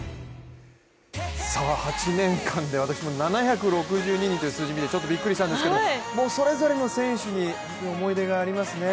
８年間で私も７６２人という数字を見て、ちょっとびっくりしたんですけどそれぞれの選手に思い出がありますね。